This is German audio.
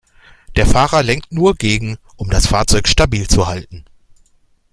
Der Fahrer lenkt nur gegen, um das Fahrzeug stabil zu halten.